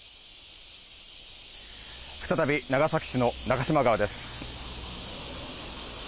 再び長崎市の中島川です。